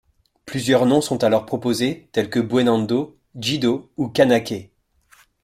Plusieurs noms sont alors proposés tels que Boenando, Djido ou kanaké.